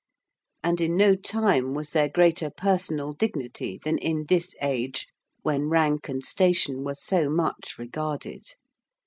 And in no time was there greater personal dignity than in this age when rank and station were so much regarded.